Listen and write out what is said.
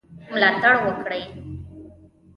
ملاتړ وکړي.